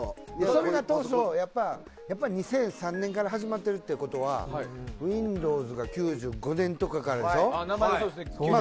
それが２００３年から始まっていることからウィンドウズが９５年とかからでしょ。